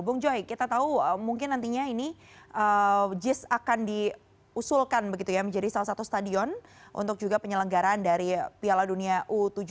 bung joy kita tahu mungkin nantinya ini jis akan diusulkan begitu ya menjadi salah satu stadion untuk juga penyelenggaran dari piala dunia u tujuh belas